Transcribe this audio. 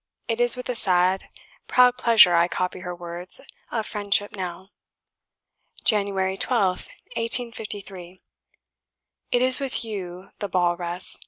It is with a sad, proud pleasure I copy her words of friendship now. "January 12th, 1853. "It is with YOU the ball rests.